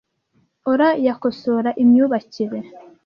Aura yakosora imyubakire